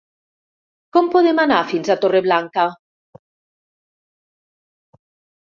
Com podem anar fins a Torreblanca?